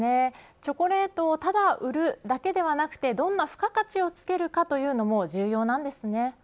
チョコレートをただ売るだけではなくてどんな付加価値をつけるかというのも重要なんですね。